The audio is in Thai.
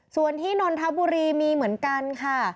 ส่วนที่นนทบุรีมีเหมือนกันค่ะ